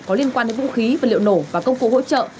có liên quan đến vũ khí vật liệu nổ và công cụ hỗ trợ